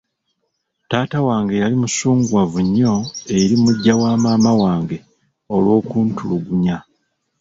Taata wange yali musunguwavu nnyo eri muggya wamaama wange olw'okuntulugunya.